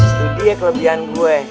itu dia kelebihan gue